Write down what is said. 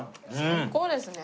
最高ですね。